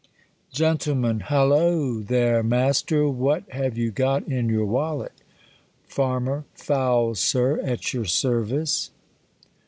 n *i TTALLOO! there, Master! What J A have you got m your wallet r Farmer, Fowls, Sir, at your service.